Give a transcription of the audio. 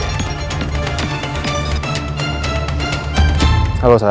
pasti paketnya udah terima sama dia